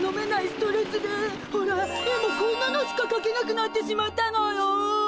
ストレスでほら絵もこんなのしかかけなくなってしまったのよ。